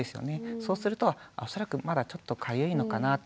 そうすると恐らくまだちょっとかゆいのかなって。